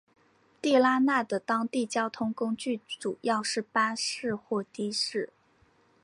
地拉那的当地交通工具主要是巴士或的士。